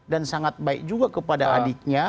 dan sangat baik juga kepada adiknya